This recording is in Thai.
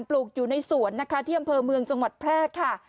ปลูกอยู่ในสวนนะคะที่อำเภอเมืองจังหวัดแพร่ค่ะ